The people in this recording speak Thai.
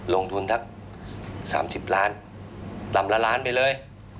ลงทุนสัก๓๐ล้านต่ำละล้านไปเลย